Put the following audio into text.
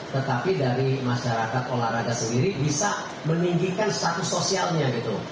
tetapi dari masyarakat olahraga sendiri bisa meninggikan status sosialnya gitu